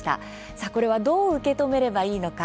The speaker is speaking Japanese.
さあこれはどう受け止めればいいのか。